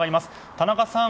田中さん